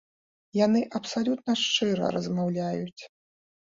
Яны абсалютна шчыра размаўляюць.